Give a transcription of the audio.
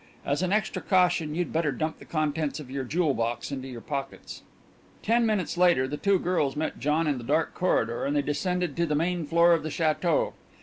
As an extra caution you'd better dump the contents of your jewel box into your pockets." Ten minutes later the two girls met John in the dark corridor and they descended to the main floor of the château.